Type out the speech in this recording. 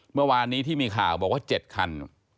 เมื่อวานนี้ที่มีข่าวบอกว่า๗คัน